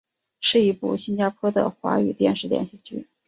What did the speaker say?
是一部新加坡的的华语电视连续剧。